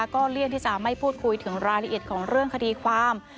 ก็เลี่ยงที่จะไม่พูดคุยถึงรายละเอียดของเรื่องคดีความ